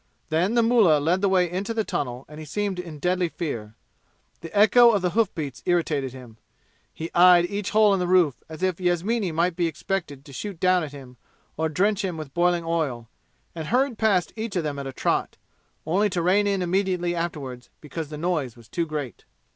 Then the mullah led the way into the tunnel, and he seemed in deadly fear. The echo of the hoof beats irritated him. He eyed each hole in the roof as if Yasmini might be expected to shoot down at him or drench him with boiling oil and hurried past each of them at a trot, only to draw rein immediately afterward because the noise was too great.